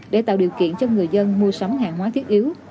để tạo điều kiện cho người dân mua sắm hàng hóa thiết yếu